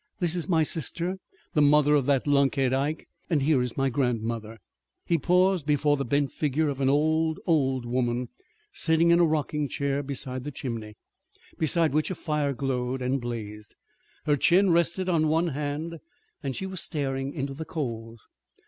This is my sister, the mother of that lunkhead, Ike, and here is my grandmother." He paused before the bent figure of an old, old woman, sitting in a rocking chair beside the chimney, beside which a fire glowed and blazed. Her chin rested on one hand, and she was staring into the coals.